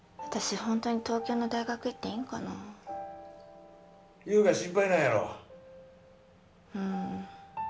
ホントに東京の大学行っていいんかな優が心配なんやろうん